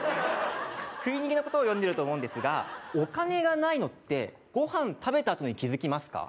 食い逃げのことを詠んでると思うんですが、お金ないことって御飯食べたあとに気づきますか？